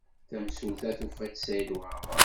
Tamsulta tufa-d Saɛid Waɛmaṛ.